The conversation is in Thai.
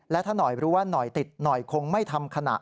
และถ้าหน่อยรู้ว่าหน่อยติดหน่อยคงไม่ทำขณะ